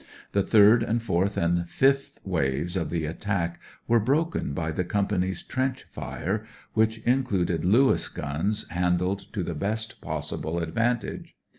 The third and fourth and fifth waves of the attack were broken by the company's trench fire, which included Lewis guns handled to the best possible advantage.